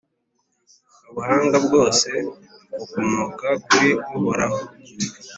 Ubuhanga bwose bukomoka kuri Uhoraho,